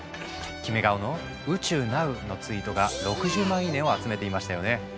キメ顔の「宇宙なう」のツイートが６０万いいねを集めていましたよね。